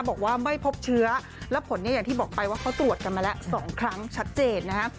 บอกว่าไม่พบเชื้อและผลเนี่ยอย่างที่บอกไปว่าเขาตรวจกันมาแล้ว๒ครั้งชัดเจนนะฮะ